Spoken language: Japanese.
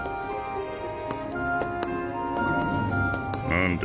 何だ？